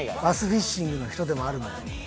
バスフィッシングの人でもあるのよ。